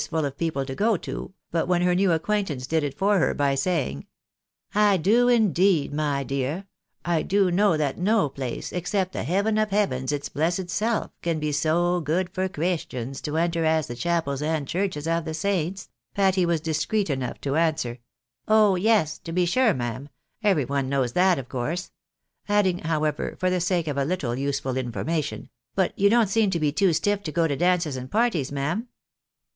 full of people to go to ;" but when her new acquaintance did it for her, by saying —" I do, indeed, my dear — I do know that no place, except the heaven of heavens its blessed self, can be so good for Christians to enter as the chapels and churches of the saints," Patty was discreet enough to answer —■" Oh, yes ; to be sure, ma'am, every one knows that of course ;" adding, however, for the sake of a Uttle useful information, " but you don't seem to be too stiff to go to dances and parties, ma'am